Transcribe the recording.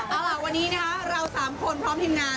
เอาล่ะวันนี้นะคะเรา๓คนพร้อมทีมงาน